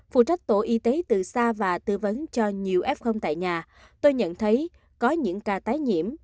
phụ trách tổ y tế từ xa và tư vấn cho nhiều f tại nhà tôi nhận thấy có những ca tái nhiễm